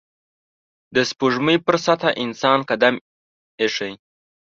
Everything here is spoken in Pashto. د سپوږمۍ پر سطحه انسان قدم ایښی